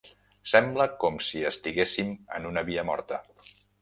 Sembla com si estiguéssim en una via morta.